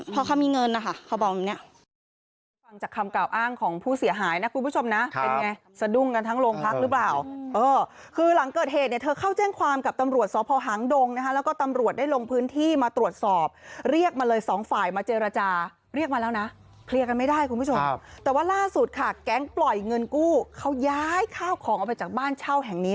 เพราะเขามีเงินนะคะเขาบอกอย่างนี้